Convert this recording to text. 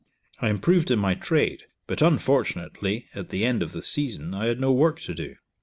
I improved in my trade, but, unfortunately, at the end of the season I had no work to do.